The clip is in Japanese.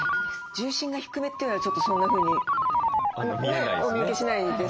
重心が低めというのはちょっとそんなふうにお見受けしないですね。